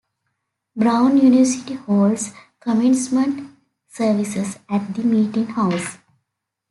Brown University holds commencement services at The Meeting House.